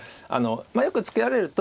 よくツケられると。